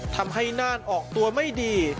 ทำให้นานออกตัวไม่ดี